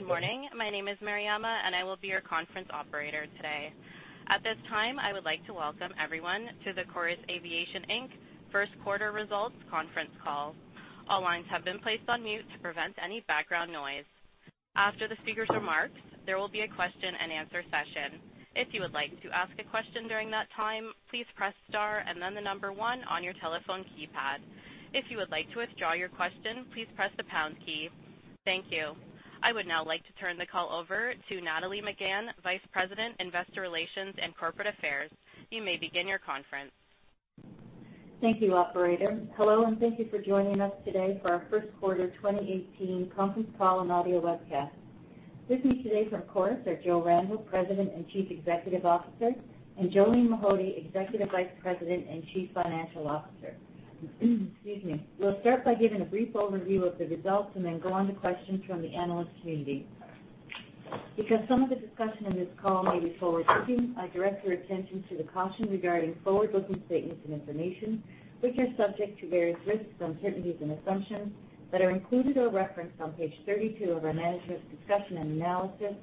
Good morning. My name is Mariama, and I will be your conference operator today. At this time, I would like to welcome everyone to the Chorus Aviation Inc. first quarter results conference call. All lines have been placed on mute to prevent any background noise. After the speaker's remarks, there will be a question-and-answer session. If you would like to ask a question during that time, please press star and then the number one on your telephone keypad. If you would like to withdraw your question, please press the pound key. Thank you. I would now like to turn the call over to Nathalie Megann, Vice President, Investor Relations and Corporate Affairs. You may begin your conference. Thank you, operator. Hello, and thank you for joining us today for our first quarter 2018 conference call and audio webcast. With me today from Chorus are Joe Randell, President and Chief Executive Officer, and Jolene Mahody, Executive Vice President and Chief Financial Officer. Excuse me. We'll start by giving a brief overview of the results and then go on to questions from the analyst community. Because some of the discussion in this call may be forward-looking, I direct your attention to the caution regarding forward-looking statements and information which are subject to various risks, uncertainties, and assumptions that are included or referenced on page 32 of our Management's Discussion and Analysis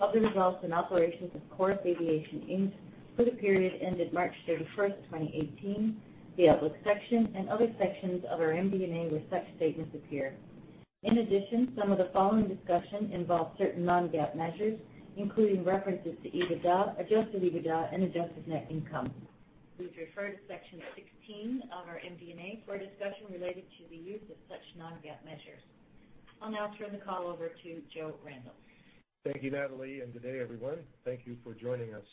of the results and operations of Chorus Aviation Inc. for the period ended March 31, 2018, the outlook section, and other sections of our MD&A, where such statements appear. In addition, some of the following discussion involves certain Non-GAAP measures, including references to EBITDA, Adjusted EBITDA, adjusted Net Income. please refer to Section 16 of our MD&A for a discussion related to the use of such Non-GAAP measures. I'll now turn the call over to Joe Randell. Thank you, Nathalie, and good day, everyone. Thank you for joining us.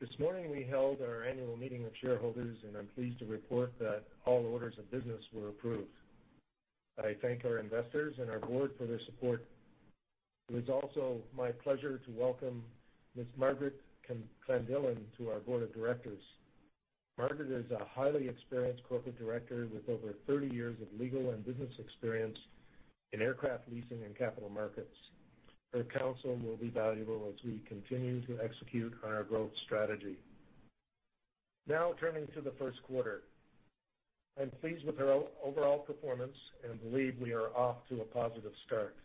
This morning, we held our annual meeting of shareholders, and I'm pleased to report that all orders of business were approved. I thank our investors and our Board for their support. It is also my pleasure to welcome Ms. Margaret Clandillon to our Board of Directors. Margaret is a highly experienced corporate director with over 30 years of legal and business experience in aircraft leasing and capital markets. Her counsel will be valuable as we continue to execute on our growth strategy. Now, turning to the first quarter. I'm pleased with our overall performance and believe we are off to a positive start.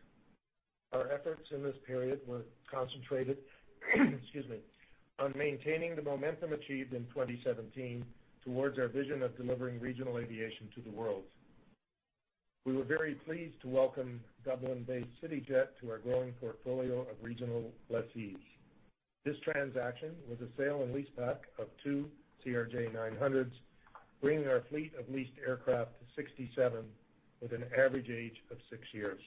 Our efforts in this period were concentrated, excuse me, on maintaining the momentum achieved in 2017 towards our vision of delivering regional aviation to the world. We were very pleased to welcome Dublin-based CityJet to our growing portfolio of regional lessees. This transaction was a sale and leaseback of two CRJ-900s, bringing our fleet of leased aircraft to 67, with an average age of 6 years.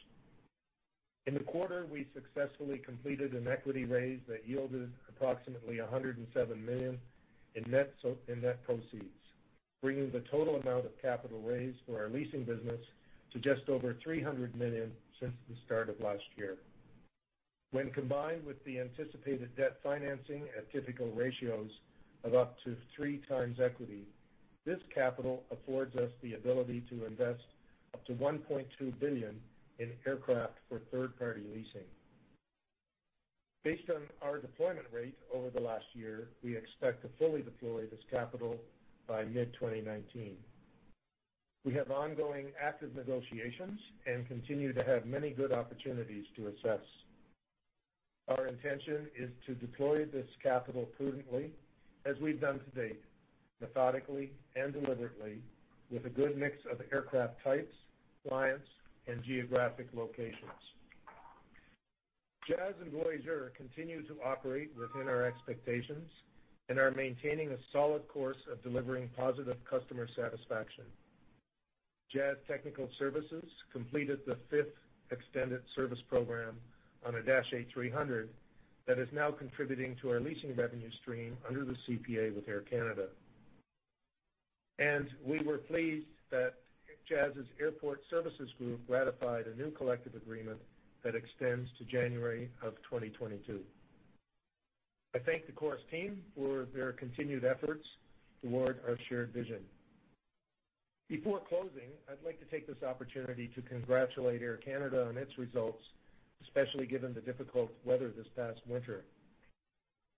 In the quarter, we successfully completed an equity raise that yielded approximately 107 million in net proceeds, bringing the total amount of capital raised for our leasing business to just over 300 million since the start of last year. When combined with the anticipated debt financing at typical ratios of up to 3 times equity, this capital affords us the ability to invest up to 1.2 billion in aircraft for third-party leasing. Based on our deployment rate over the last year, we expect to fully deploy this capital by mid-2019. We have ongoing active negotiations and continue to have many good opportunities to assess. Our intention is to deploy this capital prudently, as we've done to date, methodically and deliberately, with a good mix of aircraft types, clients, and geographic locations. Jazz and Voyageur continue to operate within our expectations and are maintaining a solid course of delivering positive customer satisfaction. Jazz Technical Services completed the fifth Extended Service Program on a Dash 8-300 that is now contributing to our leasing revenue stream under the CPA with Air Canada. We were pleased that Jazz's Airport Services Group ratified a new collective agreement that extends to January of 2022. I thank the Chorus team for their continued efforts toward our shared vision. Before closing, I'd like to take this opportunity to congratulate Air Canada on its results, especially given the difficult weather this past winter.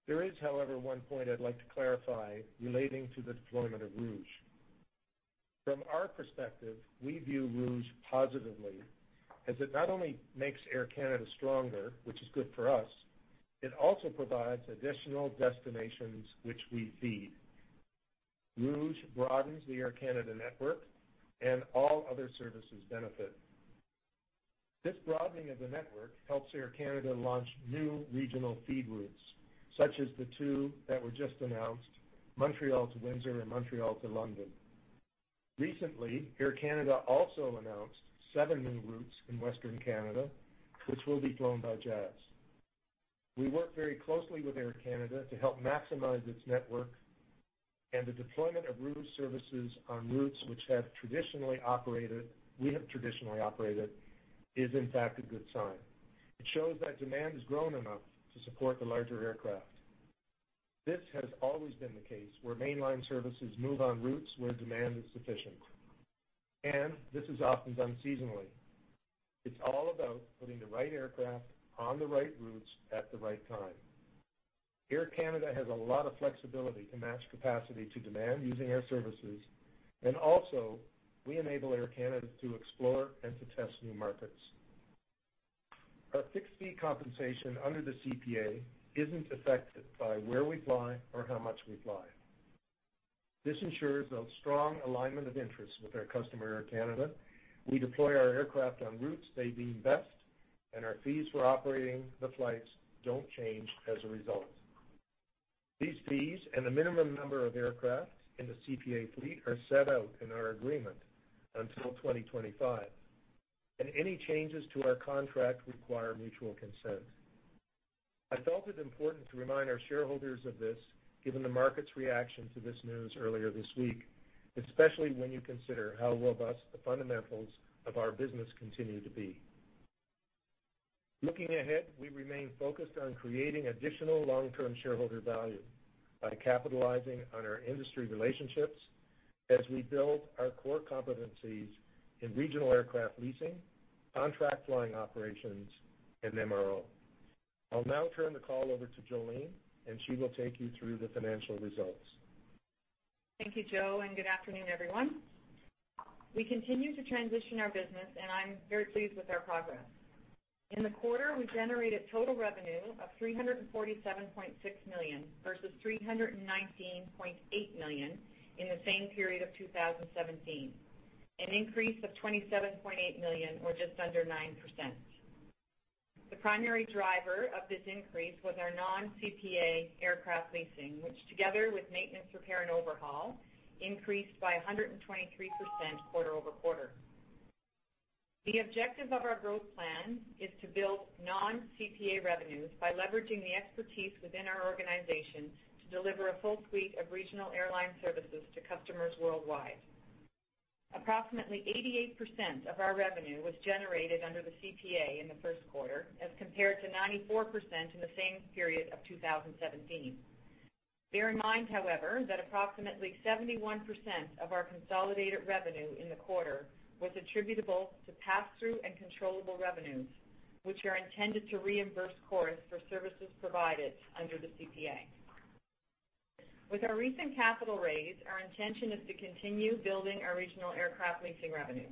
There is, however, one point I'd like to clarify relating to the deployment of Rouge. From our perspective, we view Rouge positively, as it not only makes Air Canada stronger, which is good for us, it also provides additional destinations which we feed. Rouge broadens the Air Canada network, and all other services benefit. This broadening of the network helps Air Canada launch new regional feed routes, such as the two that were just announced, Montreal to Windsor and Montreal to London. Recently, Air Canada also announced seven new routes in Western Canada, which will be flown by Jazz. We work very closely with Air Canada to help maximize its network, and the deployment of Rouge services on routes which have traditionally operated, we have traditionally operated, is, in fact, a good sign. It shows that demand has grown enough to support the larger aircraft. This has always been the case where mainline services move on routes where demand is sufficient, and this is often done seasonally. It's all about putting the right aircraft on the right routes at the right time.... Air Canada has a lot of flexibility to match capacity to demand using our services, and also we enable Air Canada to explore and to test new markets. Our fixed fee compensation under the CPA isn't affected by where we fly or how much we fly. This ensures a strong alignment of interests with our customer, Air Canada. We deploy our aircraft on routes they deem best, and our fees for operating the flights don't change as a result. These fees and the minimum number of aircraft in the CPA fleet are set out in our agreement until 2025, and any changes to our contract require mutual consent. I felt it important to remind our shareholders of this, given the market's reaction to this news earlier this week, especially when you consider how robust the fundamentals of our business continue to be. Looking ahead, we remain focused on creating additional long-term shareholder value by capitalizing on our industry relationships as we build our core competencies in regional aircraft leasing, contract flying operations, and MRO. I'll now turn the call over to Jolene, and she will take you through the financial results. Thank you, Joe, and good afternoon, everyone. We continue to transition our business, and I'm very pleased with our progress. In the quarter, we generated total revenue of 347.6 million, versus 319.8 million in the same period of 2017, an increase of 27.8 million or just under 9%. The primary driver of this increase was our non-CPA aircraft leasing, which together with maintenance, repair, and overhaul, increased by 123% quarter-over-quarter. The objective of our growth plan is to build non-CPA revenues by leveraging the expertise within our organization to deliver a full suite of regional airline services to customers worldwide. Approximately 88% of our revenue was generated under the CPA in the first quarter, as compared to 94% in the same period of 2017. Bear in mind, however, that approximately 71% of our consolidated revenue in the quarter was attributable to pass-through and controllable revenues, which are intended to reimburse Chorus for services provided under the CPA. With our recent capital raise, our intention is to continue building our regional aircraft leasing revenue.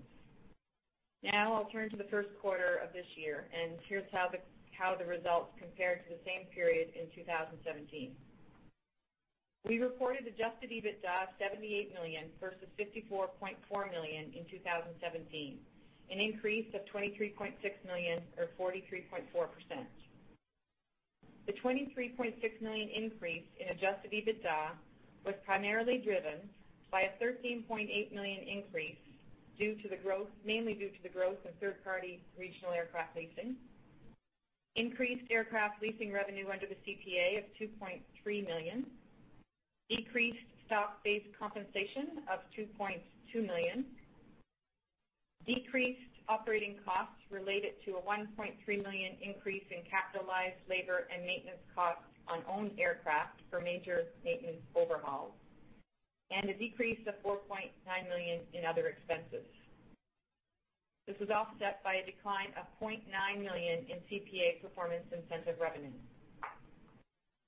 Now I'll turn to the first quarter of this year, and here's how the results compare to the same period in 2017. We reported Adjusted EBITDA of 78 million versus 54.4 million in 2017, an increase of 23.6 million or 43.4%. The 23.6 million increase in Adjusted EBITDA was primarily driven by a 13.8 million increase due to the growth- mainly due to the growth of third-party regional aircraft leasing, increased aircraft leasing revenue under the CPA of 2.3 million, decreased stock-based compensation of 2.2 million, decreased operating costs related to a 1.3 million increase in capitalized labor and maintenance costs on owned aircraft for major maintenance overhauls, and a decrease of 4.9 million in other expenses. This was offset by a decline of 0.9 million in CPA performance incentive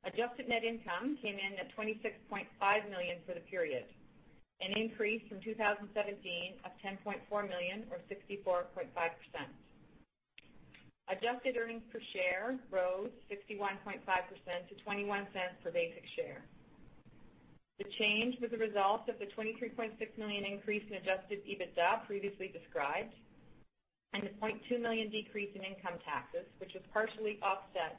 adjusted Net Income came in at 26.5 million for the period, an increase from 2017 of 10.4 million or 64.5%. Adjusted Earnings per Share rose 61.5% to 0.21 per basic share. The change was a result of the 23.6 million increase in Adjusted EBITDA previously described, and the 0.2 million decrease in income taxes, which was partially offset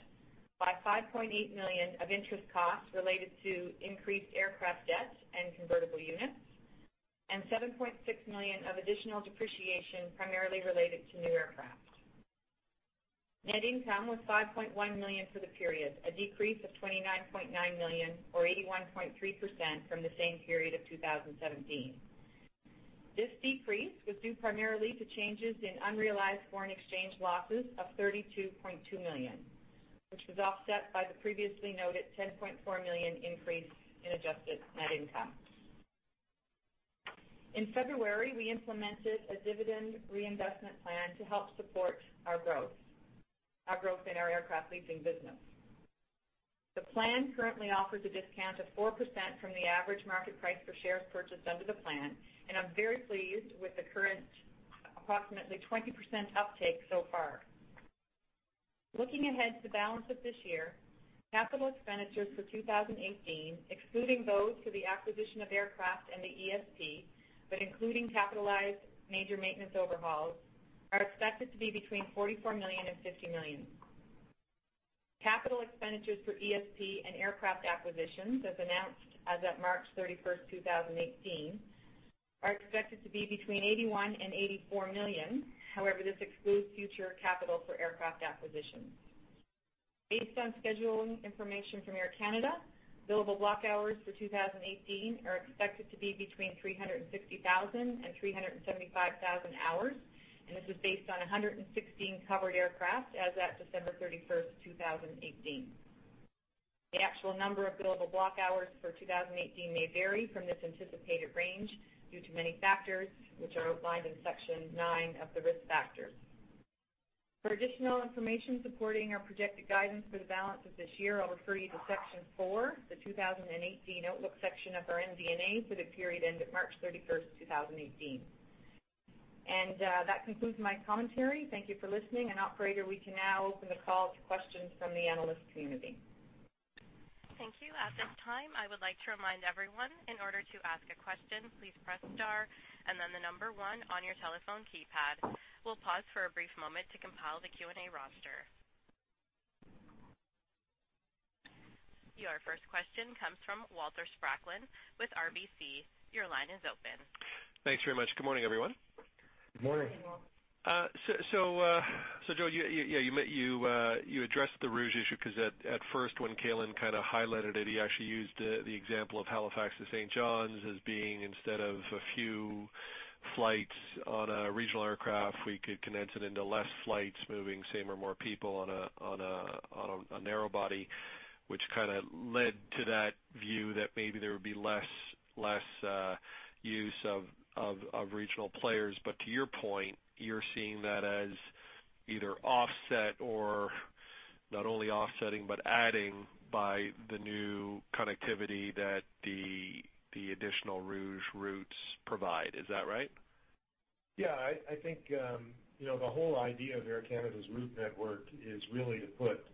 by 5.8 million of interest costs related to increased aircraft debt and convertible units, and 7.6 million of additional depreciation, primarily related to new aircraft. Net Income was 5.1 million for the period, a decrease of 29.9 million or 81.3% from the same period of 2017. This decrease was due primarily to changes in unrealized foreign exchange losses of 32.2 million, which was offset by the previously noted 10.4 million increase adjusted Net Income. in February, we implemented a dividend reinvestment plan to help support our growth, our growth in our aircraft leasing business. The plan currently offers a discount of 4% from the average market price per share purchased under the plan, and I'm very pleased with the current approximately 20% uptake so far. Looking ahead to the balance of this year, capital expenditures for 2018, excluding those for the acquisition of aircraft and the ESP, but including capitalized major maintenance overhauls, are expected to be between CAD 44 million and CAD 50 million. Capital expenditures for ESP and aircraft acquisitions, as announced as of March 31st, 2018, are expected to be between 81 million and 84 million. However, this excludes future capital for aircraft acquisitions. Based on scheduling information from Air Canada, billable block hours for 2018 are expected to be between 360,000 and 375,000 hours, and this is based on 116 covered aircraft as at December 31, 2018. The actual number of billable block hours for 2018 may vary from this anticipated range due to many factors, which are outlined in Section Nine of the Risk Factors. For additional information supporting our projected guidance for the balance of this year, I'll refer you to Section Four, the 2018 Outlook section of our MD&A for the period end of March 31, 2018. And, that concludes my commentary. Thank you for listening. And operator, we can now open the call to questions from the analyst community. Thank you. At this time, I would like to remind everyone, in order to ask a question, please press Star and then the number 1 on your telephone keypad. We'll pause for a brief moment to compile the Q&A roster. Your first question comes from Walter Spracklin with RBC. Your line is open. Thanks very much. Good morning, everyone. Good morning. So, Joe, you addressed the Rouge issue because at first when Calin kind of highlighted it, he actually used the example of Halifax to St. John's as being instead of a few flights on a regional aircraft, we could condense it into less flights, moving same or more people on a narrow body, which kind of led to that view that maybe there would be less use of regional players. But to your point, you're seeing that as either offset or not only offsetting, but adding by the new connectivity that the additional Rouge routes provide. Is that right? Yeah, I think, you know, the whole idea of Air Canada's route network is really to put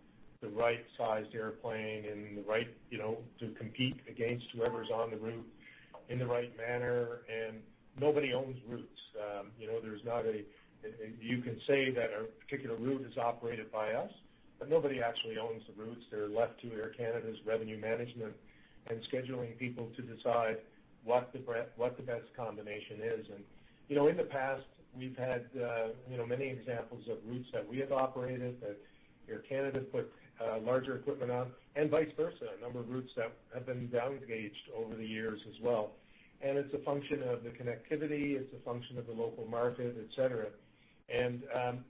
the right-sized airplane and the right, you know, to compete against whoever's on the route in the right manner, and nobody owns routes. You know, there's not a. You can say that a particular route is operated by us, but nobody actually owns the routes. They're left to Air Canada's revenue management and scheduling people to decide what the best combination is. And, you know, in the past, we've had, you know, many examples of routes that we have operated, that Air Canada put larger equipment on, and vice versa, a number of routes that have been down gauged over the years as well. And it's a function of the connectivity, it's a function of the local market, et cetera.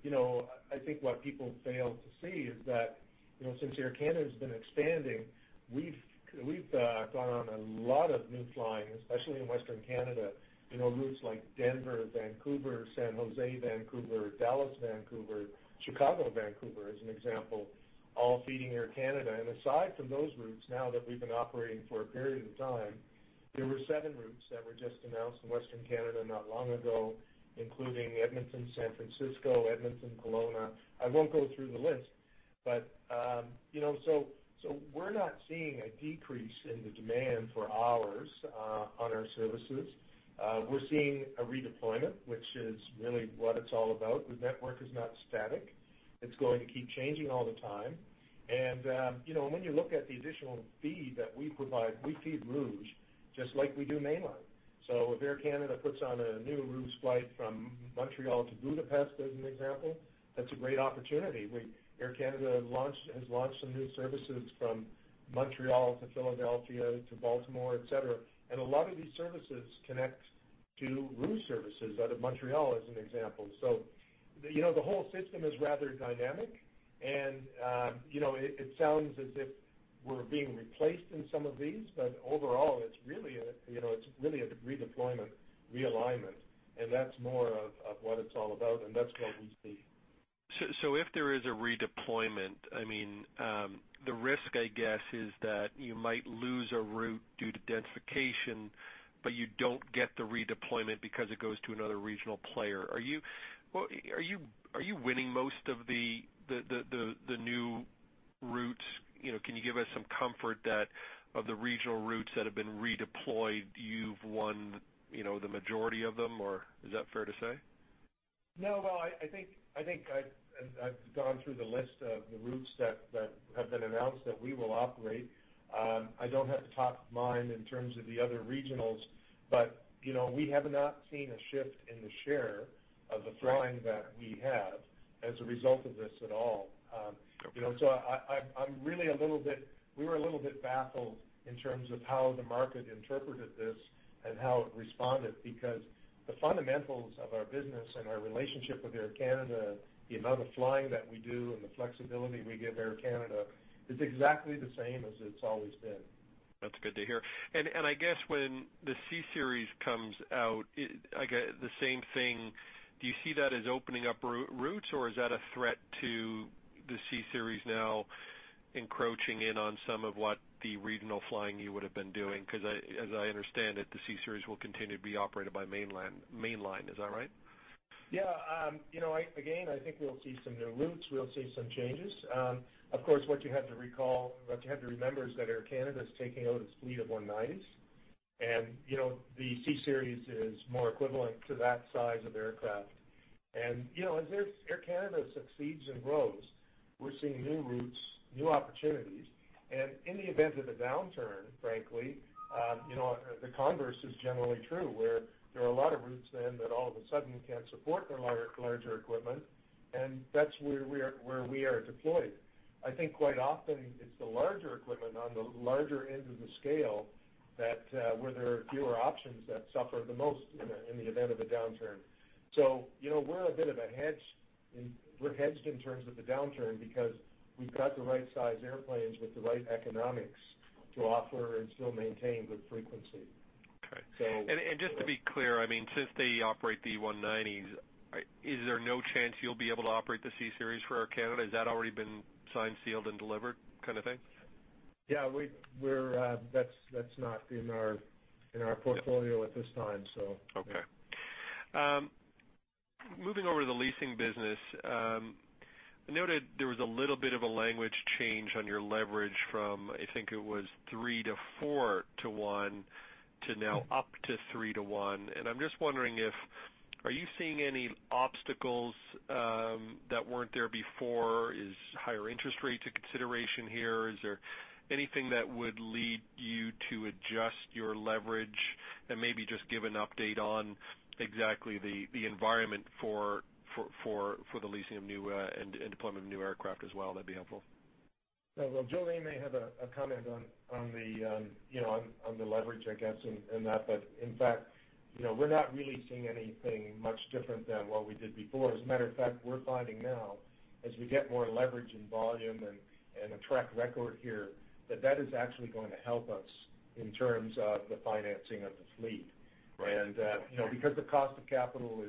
You know, I think what people fail to see is that, you know, since Air Canada has been expanding, we've gone on a lot of new flying, especially in Western Canada, you know, routes like Denver, Vancouver, San Jose, Vancouver, Dallas, Vancouver, Chicago, Vancouver, as an example, all feeding Air Canada. Aside from those routes, now that we've been operating for a period of time, there were seven routes that were just announced in Western Canada not long ago, including Edmonton, San Francisco, Edmonton, Kelowna. I won't go through the list, but, you know, so, so we're not seeing a decrease in the demand for hours on our services. We're seeing a redeployment, which is really what it's all about. The network is not static. It's going to keep changing all the time. And, you know, when you look at the additional feed that we provide, we feed Rouge just like we do mainline. So if Air Canada puts on a new Rouge flight from Montreal to Budapest, as an example, that's a great opportunity. Air Canada has launched some new services from Montreal to Philadelphia, to Baltimore, et cetera. And a lot of these services connect to Rouge services out of Montreal, as an example. So you know, the whole system is rather dynamic, and, you know, it sounds as if we're being replaced in some of these, but overall, it's really a, you know, it's really a redeployment, realignment, and that's more of what it's all about, and that's what we see. So if there is a redeployment, I mean, the risk, I guess, is that you might lose a route due to densification, but you don't get the redeployment because it goes to another regional player. Are you? Well, are you winning most of the new routes? You know, can you give us some comfort that of the regional routes that have been redeployed, you've won, you know, the majority of them, or is that fair to say? No, no, I think, I think I've gone through the list of the routes that have been announced that we will operate. I don't have it top of mind in terms of the other regionals, but, you know, we have not seen a shift in the share of the flying that we have as a result of this at all. Okay. You know, so I'm really a little bit... We were a little bit baffled in terms of how the market interpreted this and how it responded, because the fundamentals of our business and our relationship with Air Canada, the amount of flying that we do and the flexibility we give Air Canada, is exactly the same as it's always been. That's good to hear. And I guess when the C Series comes out, I get the same thing. Do you see that as opening up routes, or is that a threat to the C Series now encroaching in on some of what the regional flying you would have been doing? 'Cause as I understand it, the C Series will continue to be operated by mainline. Is that right? Yeah, you know, I, again, I think we'll see some new routes, we'll see some changes. Of course, what you have to recall, what you have to remember is that Air Canada is taking out its fleet of 190s, and, you know, the C Series is more equivalent to that size of aircraft. And, you know, as Air, Air Canada succeeds and grows, we're seeing new routes, new opportunities, and in the event of a downturn, frankly, you know, the converse is generally true, where there are a lot of routes then that all of a sudden can't support their larger, larger equipment, and that's where we are, where we are deployed. I think quite often it's the larger equipment on the larger end of the scale that, where there are fewer options that suffer the most in a, in the event of a downturn. So, you know, we're a bit of a hedge. We're hedged in terms of the downturn because we've got the right size airplanes with the right economics to offer and still maintain good frequency.... Okay. And just to be clear, I mean, since they operate the 190s, is there no chance you'll be able to operate the C Series for Air Canada? Has that already been signed, sealed, and delivered, kind of thing? Yeah, that's not in our portfolio at this time, so. Okay. Moving over to the leasing business, I noted there was a little bit of a language change on your leverage from, I think it was 3 to 4 to 1, to now up to 3 to 1. And I'm just wondering if, are you seeing any obstacles that weren't there before? Is higher interest rates a consideration here? Is there anything that would lead you to adjust your leverage? And maybe just give an update on exactly the environment for the leasing of new and deployment of new aircraft as well, that'd be helpful. Yeah. Well, Jolene may have a comment on the, you know, on the leverage, I guess, and that, but in fact, you know, we're not really seeing anything much different than what we did before. As a matter of fact, we're finding now, as we get more leverage and volume and a track record here, that that is actually going to help us in terms of the financing of the fleet. Right. You know, because the cost of capital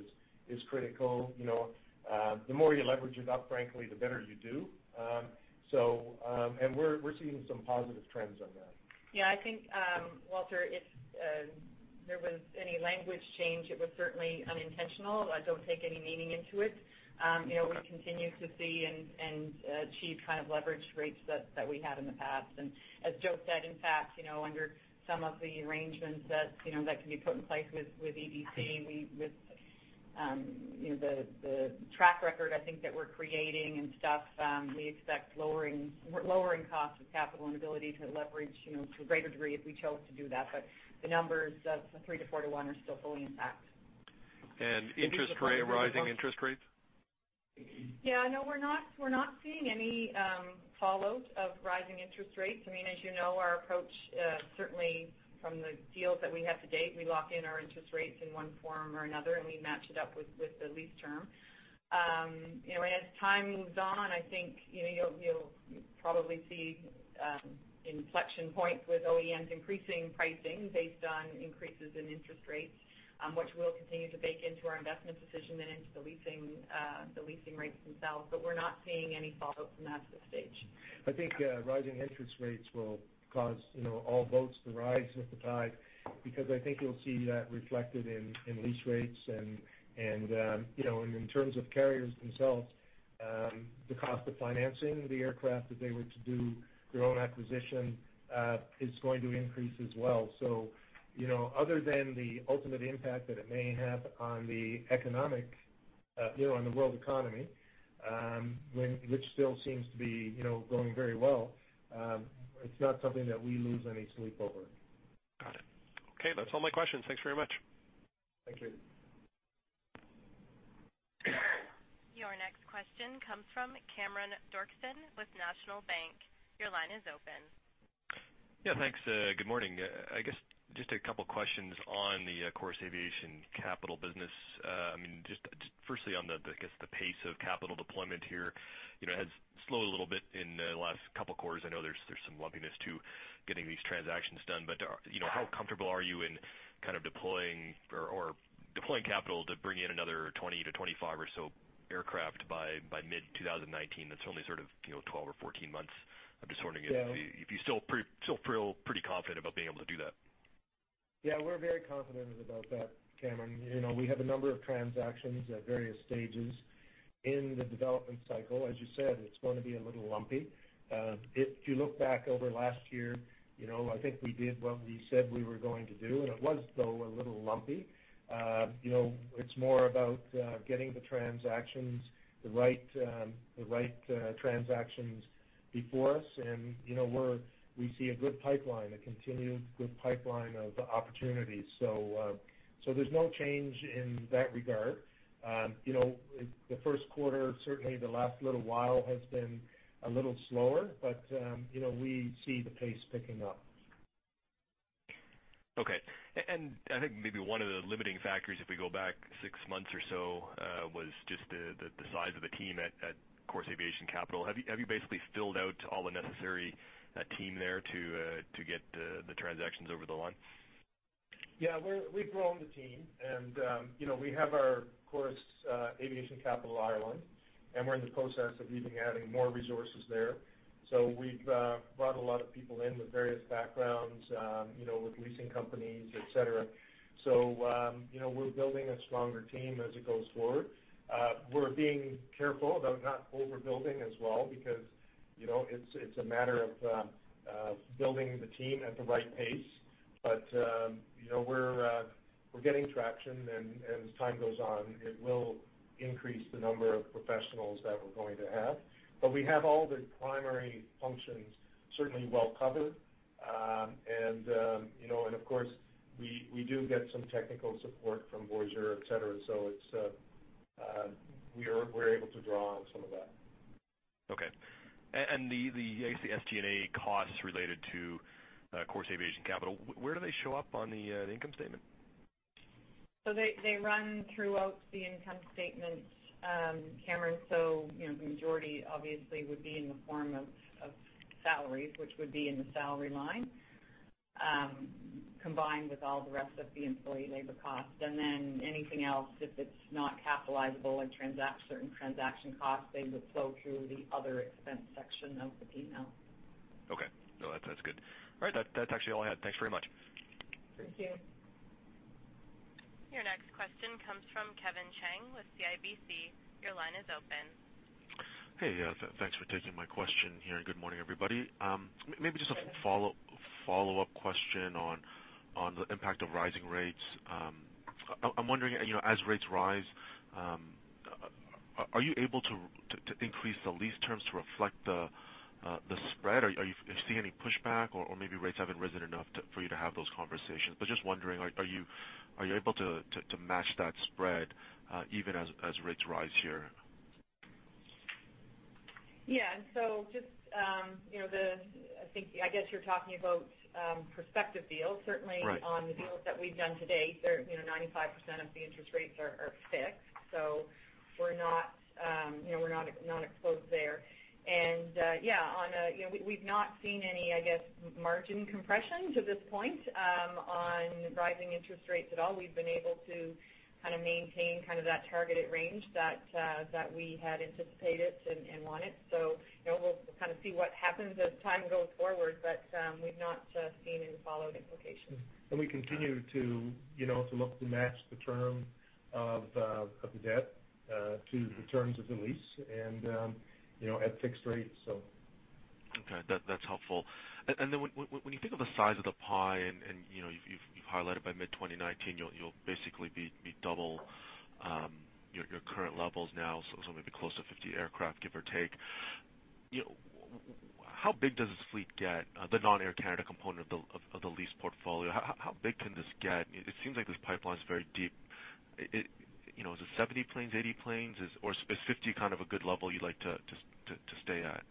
is critical, you know, the more you leverage it up, frankly, the better you do. We're seeing some positive trends on that. Yeah, I think, Walter, if there was any language change, it was certainly unintentional. I don't take any meaning into it. You know, we continue to see and achieve kind of leverage rates that we had in the past. And as Joe said, in fact, you know, under some of the arrangements that can be put in place with EDC, we, with you know, the track record, I think that we're creating and stuff, we expect lowering costs of capital and ability to leverage, you know, to a greater degree if we chose to do that. But the numbers of 3:1 to 4:1 are still fully intact. Interest rate, rising interest rates? Yeah, no, we're not seeing any fallout of rising interest rates. I mean, as you know, our approach certainly from the deals that we have to date, we lock in our interest rates in one form or another, and we match it up with the lease term. You know, as time moves on, I think, you know, you'll probably see inflection points with OEMs increasing pricing based on increases in interest rates, which we'll continue to bake into our investment decision and into the leasing rates themselves. But we're not seeing any fallout from that at this stage. I think, rising interest rates will cause, you know, all boats to rise with the tide, because I think you'll see that reflected in, in lease rates. And, and, you know, and in terms of carriers themselves, the cost of financing the aircraft, if they were to do their own acquisition, is going to increase as well. So, you know, other than the ultimate impact that it may have on the economic, you know, on the world economy, which still seems to be, you know, going very well, it's not something that we lose any sleep over. Got it. Okay, that's all my questions. Thanks very much. Thank you. Your next question comes from Cameron Doerksen with National Bank. Your line is open. Yeah, thanks. Good morning. I guess, just a couple of questions on the Chorus Aviation Capital business. I mean, just, firstly, on the, I guess, the pace of capital deployment here, you know, has slowed a little bit in the last couple of quarters. I know there's, there's some lumpiness to getting these transactions done, but, you know, how comfortable are you in kind of deploying or, or deploying capital to bring in another 20-25 or so aircraft by mid-2019? That's only sort of, you know, 12 or 14 months of just wondering if- Yeah. If you still feel pretty confident about being able to do that. Yeah, we're very confident about that, Cameron. You know, we have a number of transactions at various stages in the development cycle. As you said, it's going to be a little lumpy. If you look back over last year, you know, I think we did what we said we were going to do, and it was, though, a little lumpy. You know, it's more about getting the transactions, the right transactions before us, and, you know, we see a good pipeline, a continued good pipeline of opportunities. So, there's no change in that regard. You know, the first quarter, certainly the last little while, has been a little slower, but, you know, we see the pace picking up. Okay. And I think maybe one of the limiting factors, if we go back six months or so, was just the size of the team at Chorus Aviation Capital. Have you basically filled out all the necessary team there to get the transactions over the line? Yeah, we're-- we've grown the team, and, you know, we have our Chorus Aviation Capital, Ireland, and we're in the process of even adding more resources there. So we've brought a lot of people in with various backgrounds, you know, with leasing companies, et cetera. So, you know, we're building a stronger team as it goes forward. We're being careful about not overbuilding as well because, you know, it's, it's a matter of building the team at the right pace. But, you know, we're getting traction, and, and as time goes on, it will increase the number of professionals that we're going to have. But we have all the primary functions certainly well covered. You know, and of course, we do get some technical support from Voyageur, et cetera, so it's, we're able to draw on some of that. Okay. And the, I guess, the SG&A costs related to Chorus Aviation Capital, where do they show up on the income statement? ...So they run throughout the income statement, Cameron. So, you know, the majority obviously would be in the form of salaries, which would be in the salary line, combined with all the rest of the employee labor costs, and then anything else, if it's not capitalizable and transaction costs, they would flow through the other expense section of the P&L. Okay. No, that, that's good. All right, that, that's actually all I had. Thanks very much. Thank you. Your next question comes from Kevin Chiang with CIBC. Your line is open. Hey, yeah, thanks for taking my question here, and good morning, everybody. Maybe just a follow-up question on the impact of rising rates. I'm wondering, you know, as rates rise, are you able to increase the lease terms to reflect the spread? Are you, do you see any pushback or maybe rates haven't risen enough for you to have those conversations? But just wondering, are you able to match that spread even as rates rise here? Yeah. So just, you know, the, I think, I guess you're talking about, prospective deals. Right. Certainly, on the deals that we've done to date, they're, you know, 95% of the interest rates are fixed, so we're not, you know, we're not exposed there. And yeah, you know, we've not seen any, I guess, margin compression to this point on rising interest rates at all. We've been able to kind of maintain kind of that targeted range that we had anticipated and wanted. So, you know, we'll kind of see what happens as time goes forward, but we've not seen any follow-on implications. We continue to, you know, to look to match the term of the debt to the terms of the lease and, you know, at fixed rates, so. Okay. That's helpful. And then when you think of the size of the pie and, you know, you've highlighted by mid-2019, you'll basically be double your current levels now, so maybe close to 50 aircraft, give or take. You know, how big does this fleet get, the non-Air Canada component of the lease portfolio? How big can this get? It seems like this pipeline is very deep. It, you know, is it 70 planes, 80 planes, is... Or is 50 kind of a good level you'd like to stay at?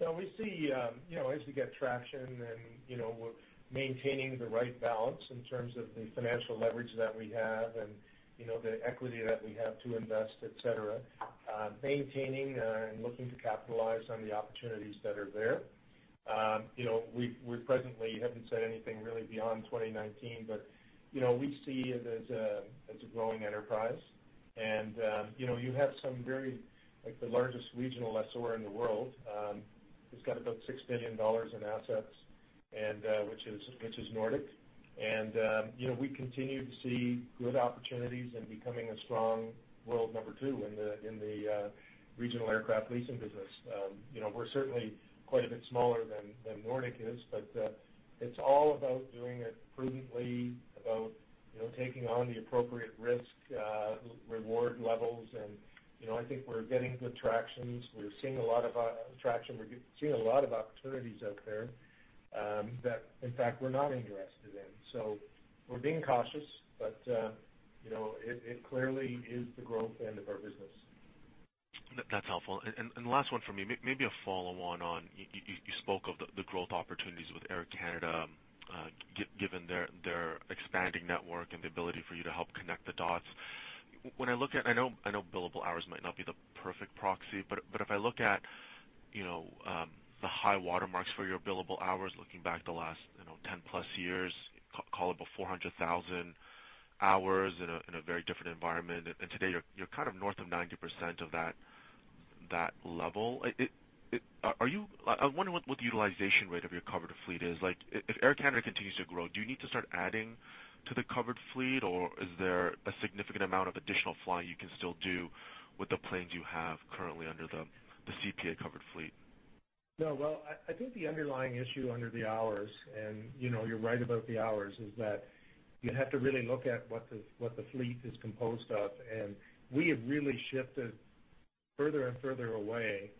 Well, we see, you know, as we get traction and, you know, we're maintaining the right balance in terms of the financial leverage that we have and, you know, the equity that we have to invest, et cetera, maintaining and looking to capitalize on the opportunities that are there. You know, we, we presently haven't said anything really beyond 2019, but, you know, we see it as a, as a growing enterprise. And, you know, you have some very, like, the largest regional lessor in the world, who's got about $6 billion in assets, and, which is, which is Nordic. And, you know, we continue to see good opportunities in becoming a strong world number two in the, in the, regional aircraft leasing business. You know, we're certainly quite a bit smaller than Nordic is, but it's all about doing it prudently, about, you know, taking on the appropriate risk reward levels. And, you know, I think we're getting good tractions. We're seeing a lot of traction. We're seeing a lot of opportunities out there that, in fact, we're not interested in. So we're being cautious, but you know, it clearly is the growth end of our business. That's helpful. And the last one for me, maybe a follow-on on, you spoke of the growth opportunities with Air Canada, given their expanding network and the ability for you to help connect the dots. When I look at... I know billable hours might not be the perfect proxy, but if I look at, you know, the high water marks for your billable hours, looking back the last, you know, 10+ years, call it about 400,000 hours in a very different environment, and today, you're kind of north of 90% of that level. It, are you – I wonder what the utilization rate of your covered fleet is. Like, if Air Canada continues to grow, do you need to start adding to the covered fleet, or is there a significant amount of additional flying you can still do with the planes you have currently under the CPA-covered fleet? No, well, I think the underlying issue under the hours, and, you know, you're right about the hours, is that you have to really look at what the fleet is composed of, and we have really shifted further and further away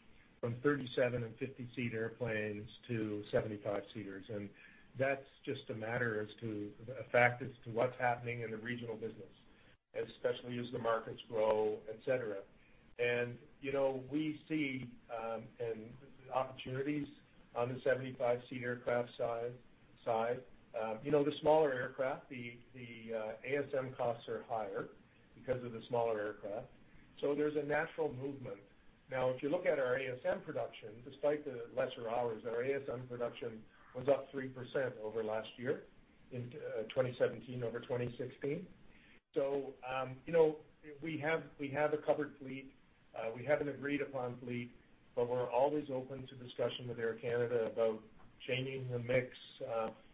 from 37 and 50-seat airplanes to 75-seaters. And that's just a matter as to, a fact as to what's happening in the regional business, especially as the markets grow, et cetera. And, you know, we see, and the opportunities on the 75-seat aircraft side, side. You know, the smaller aircraft, the, the, ASM costs are higher because of the smaller aircraft, so there's a natural movement. Now, if you look at our ASM production, despite the lesser hours, our ASM production was up 3% over last year, in 2017 over 2016. So, you know, we have a covered fleet. We have an agreed-upon fleet, but we're always open to discussion with Air Canada about changing the mix,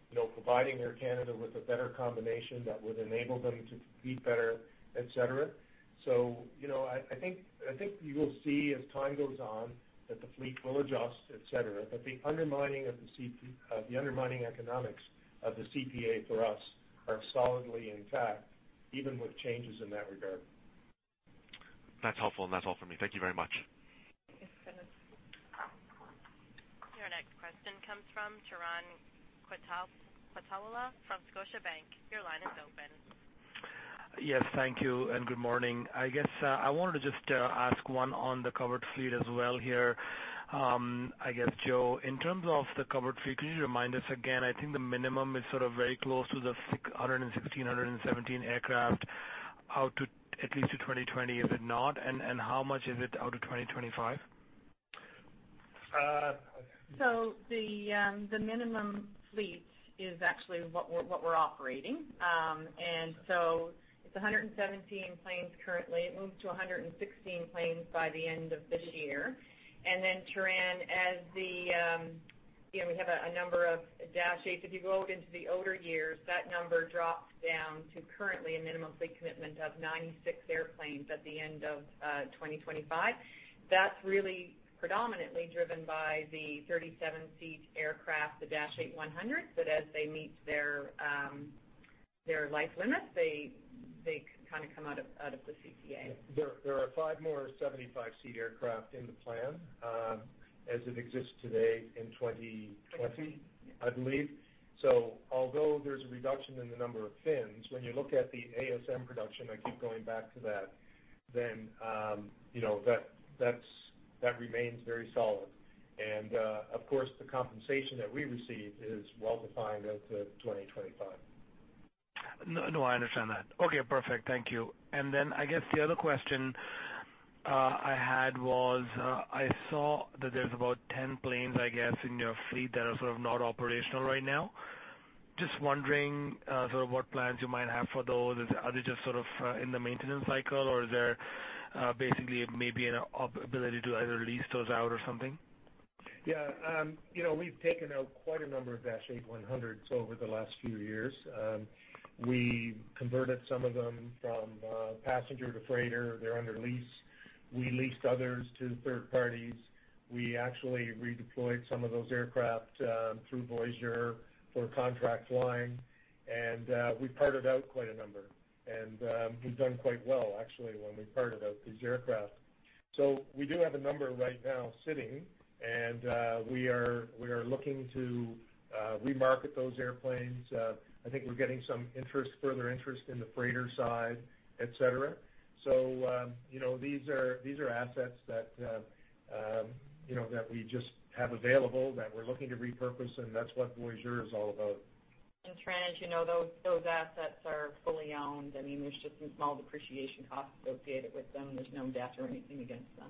you know, providing Air Canada with a better combination that would enable them to compete better, et cetera. So, you know, I think you will see as time goes on, that the fleet will adjust, et cetera, but the undermining economics of the CPA for us are solidly intact, even with changes in that regard. That's helpful, and that's all for me. Thank you very much. Thanks, Kevin. Your next question comes from Turan Quettawala from Scotiabank. Your line is open. ... Yes, thank you, and good morning. I guess, I wanted to just, ask one on the covered fleet as well here. I guess, Joe, in terms of the covered fleet, can you remind us again? I think the minimum is sort of very close to the 616, 617 aircraft, out to at least to 2020, is it not? And, and how much is it out to 2025? So the minimum fleet is actually what we're operating. So it's 117 planes currently. It moves to 116 planes by the end of this year. And then, Turan, you know, we have a number of Dash 8s. If you go out into the older years, that number drops down to currently a minimum fleet commitment of 96 airplanes at the end of 2025. That's really predominantly driven by the 37-seat aircraft, the Dash 8-100. But as they meet their life limits, they kind of come out of the CPA. There are 5 more 75-seat aircraft in the plan, as it exists today in 2020, I believe. So although there's a reduction in the number of fins, when you look at the ASM production, I keep going back to that, then, you know, that's, that's—that remains very solid. And, of course, the compensation that we receive is well-defined out to 2025. No, no, I understand that. Okay, perfect. Thank you. Then I guess the other question I had was, I saw that there's about 10 planes, I guess, in your fleet that are sort of not operational right now. Just wondering, sort of what plans you might have for those. Are they just sort of in the maintenance cycle, or is there basically maybe an operability to either lease those out or something? Yeah, you know, we've taken out quite a number of Dash 8-100s over the last few years. We converted some of them from passenger to freighter. They're under lease. We leased others to third parties. We actually redeployed some of those aircraft through Voyageur for contract flying, and we parted out quite a number. We've done quite well, actually, when we parted out these aircraft. So we do have a number right now sitting, and we are looking to remarket those airplanes. I think we're getting some interest, further interest in the freighter side, et cetera. So, you know, these are assets that, you know, that we just have available, that we're looking to repurpose, and that's what Voyageur is all about. And Turan, as you know, those assets are fully owned. I mean, there's just some small depreciation costs associated with them. There's no debt or anything against them.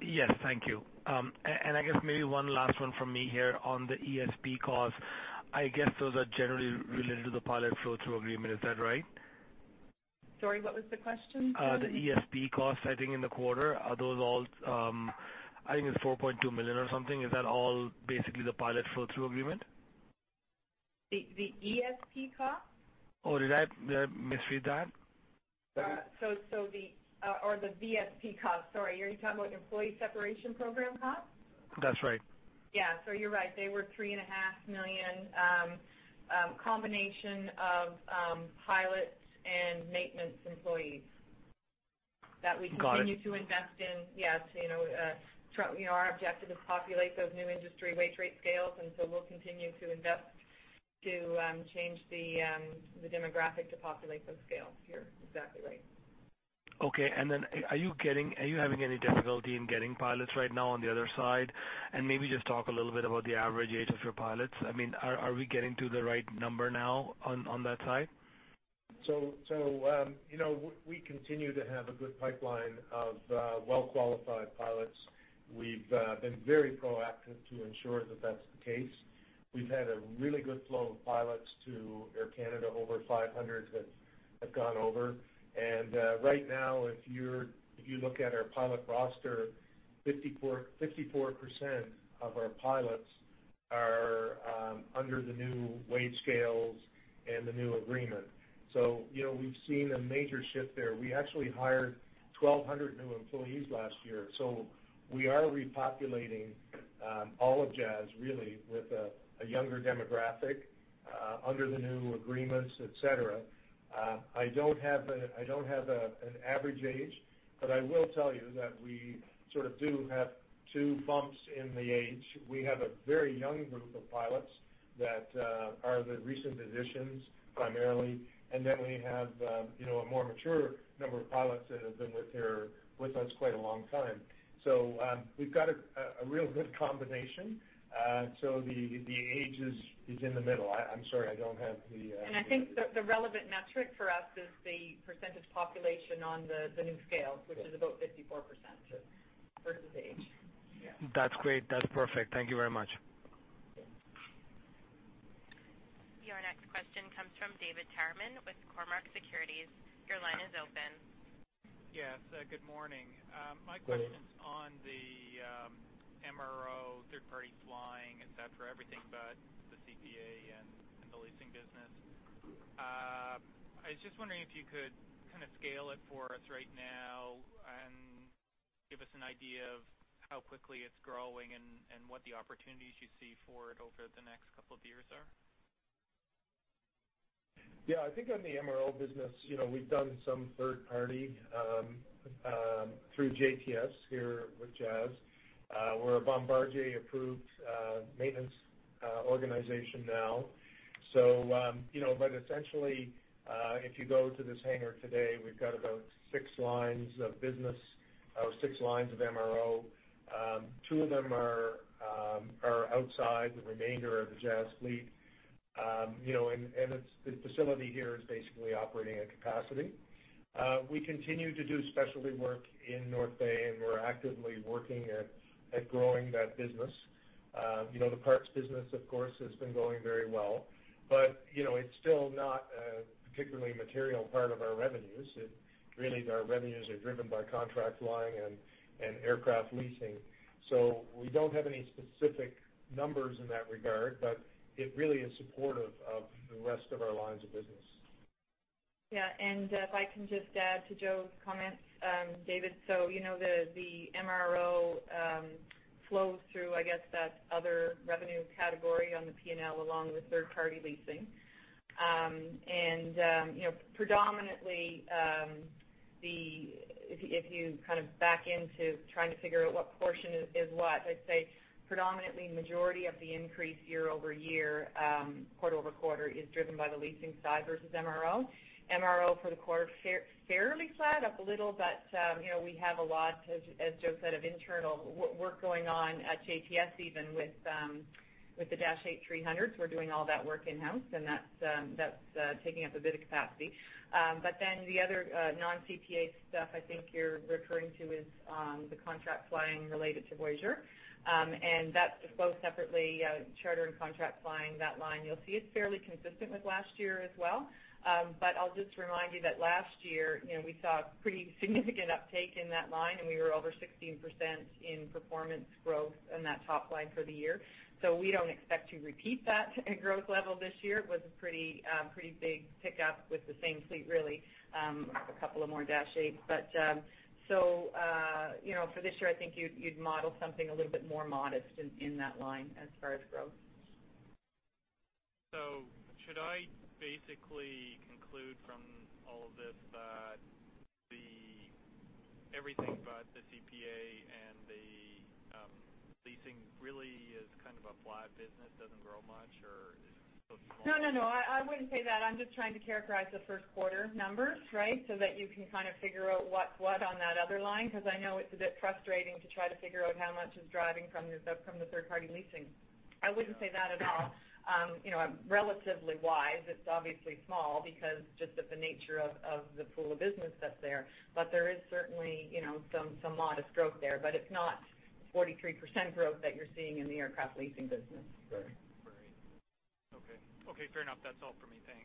Yes, thank you. I guess maybe one last one from me here on the ESP costs. I guess those are generally related to the pilot flow-through agreement. Is that right? Sorry, what was the question? The ESP costs, I think, in the quarter, are those all, I think it's 4.2 million or something. Is that all basically the pilot flow-through agreement? The ESP cost? Oh, did I, did I misread that? So, the VSP cost, sorry, are you about Employee Separation Program costs? That's right. Yeah. So you're right. They were 3.5 million, a combination of pilots and maintenance employees- Got it. -that we continue to invest in. Yes, you know, you know, our objective is to populate those new industry wage rate scales, and so we'll continue to invest to, change the, the demographic to populate those scales. You're exactly right. Okay, are you having any difficulty in getting pilots right now on the other side? And maybe just talk a little bit about the average age of your pilots. I mean, are we getting to the right number now on that side? So, you know, we continue to have a good pipeline of well-qualified pilots. We've been very proactive to ensure that that's the case. We've had a really good flow of pilots to Air Canada, over 500 that have gone over. And right now, if you look at our pilot roster, 54% of our pilots are under the new wage scales and the new agreement. So, you know, we've seen a major shift there. We actually hired 1,200 new employees last year, so we are repopulating all of Jazz, really, with a younger demographic under the new agreements, etc. I don't have an average age, but I will tell you that we sort of do have two bumps in the age. We have a very young group of pilots that are the recent additions, primarily, and then we have, you know, a more mature number of pilots that have been with here, with us quite a long time. So, we've got a real good combination. So the age is in the middle. I'm sorry, I don't have the I think the relevant metric for us is the percentage population on the new scale, which is about 54% versus age. Yeah. That's great. That's perfect. Thank you very much. Your next question comes from David Tyerman with Cormark Securities. Your line is open. Yes, good morning. Good morning. My question is on the MRO, third-party flying, et cetera, everything but the CPA and the leasing business. I was just wondering if you could kind of scale it for us right now and give us an idea of how quickly it's growing and what the opportunities you see for it over the next couple of years are? Yeah, I think on the MRO business, you know, we've done some third-party, through JTS here with Jazz. We're a Bombardier-approved maintenance organization now. So, you know, but essentially, if you go to this hangar today, we've got about six lines of business. Our six lines of MRO, two of them are outside the remainder of the Jazz fleet. You know, and it's the facility here is basically operating at capacity. We continue to do specialty work in North Bay, and we're actively working at growing that business. You know, the parts business, of course, has been going very well, but, you know, it's still not a particularly material part of our revenues. It really, our revenues are driven by contract flying and aircraft leasing. So we don't have any specific numbers in that regard, but it really is supportive of the rest of our lines of business. Yeah, and if I can just add to Joe's comments, David, so you know, the MRO flows through, I guess, that other revenue category on the P&L, along with third-party leasing. And you know, predominantly, if you kind of back into trying to figure out what portion is what, I'd say predominantly, majority of the increase year-over-year, quarter-over-quarter, is driven by the leasing side versus MRO. MRO for the quarter, fairly flat, up a little, but you know, we have a lot, as Joe said, of internal work going on at JTS, even with the Dash 8-300s. We're doing all that work in-house, and that's taking up a bit of capacity. But then the other, non-CPA stuff I think you're referring to is, the contract flying related to Voyageur. And that's disclosed separately, charter and contract flying. That line, you'll see, it's fairly consistent with last year as well. But I'll just remind you that last year, you know, we saw a pretty significant uptake in that line, and we were over 16% in performance growth in that top line for the year. So we don't expect to repeat that growth level this year. It was a pretty, pretty big pickup with the same fleet, really, a couple of more Dash 8. But, so, you know, for this year, I think you'd, you'd model something a little bit more modest in, in that line as far as growth. Should I basically conclude from all of this that the... Everything but the CPA and the leasing really is kind of a flat business, doesn't grow much, or is it still growing? No, no, no. I, I wouldn't say that. I'm just trying to characterize the first quarter numbers, right? So that you can kind of figure out what's what on that other line, because I know it's a bit frustrating to try to figure out how much is driving from the, from the third-party leasing. I wouldn't say that at all. You know, relatively wise, it's obviously small because just of the nature of, of the pool of business that's there. But there is certainly, you know, some, some modest growth there, but it's not 43% growth that you're seeing in the aircraft leasing business. Sure. Great. Okay. Okay, fair enough. That's all for me. Thanks.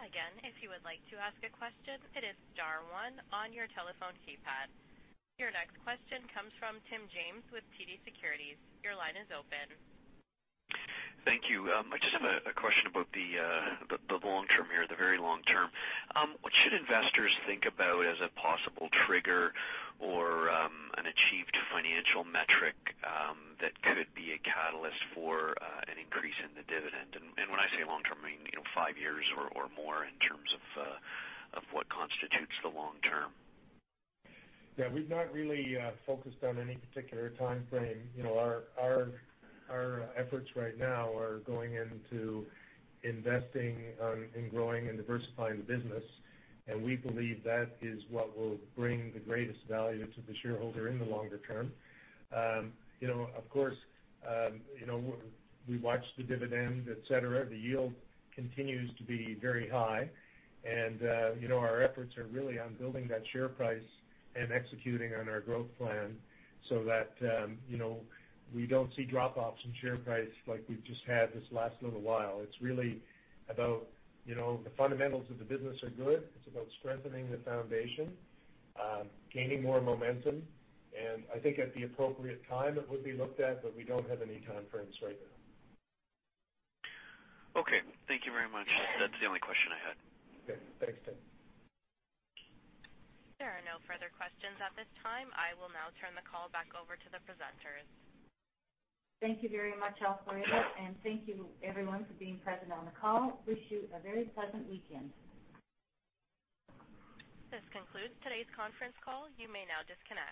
Again, if you would like to ask a question, it is star one on your telephone keypad. Your next question comes from Tim James with TD Securities. Your line is open. Thank you. I just have a question about the long term here, the very long term. What should investors think about as a possible trigger or an achieved financial metric that could be a catalyst for an increase in the dividend? And when I say long term, I mean, you know, five years or more in terms of what constitutes the long term. Yeah, we've not really focused on any particular time frame. You know, our efforts right now are going into investing on, and growing, and diversifying the business, and we believe that is what will bring the greatest value to the shareholder in the longer term. You know, of course, you know, we watch the dividend, et cetera. The yield continues to be very high, and, you know, our efforts are really on building that share price and executing on our growth plan so that, you know, we don't see drop-offs in share price like we've just had this last little while. It's really about, you know, the fundamentals of the business are good. It's about strengthening the foundation, gaining more momentum, and I think at the appropriate time, it would be looked at, but we don't have any time frames right now. Okay. Thank you very much. That's the only question I had. Okay. Thanks, Tim. There are no further questions at this time. I will now turn the call back over to the presenters. Thank you very much, Alfredo, and thank you everyone for being present on the call. Wish you a very pleasant weekend. This concludes today's conference call. You may now disconnect.